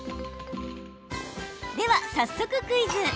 では、早速クイズ。